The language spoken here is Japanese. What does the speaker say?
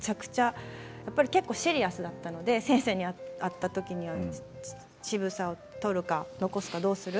結構シリアスだったんで先生に会った時に乳房を取るか残すかどうする？